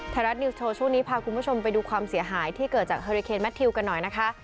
ไทยรัฐนิวส์โชว์ช่วงนี้พาคุณผู้ชมไปดูความเสียหายที่เกิดจากเฮอริเคนแมททิวกันหน่อยนะคะ